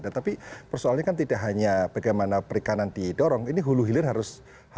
tetapi persoalannya kan tidak hanya bagaimana perikanan didorong ini hulu hilir harus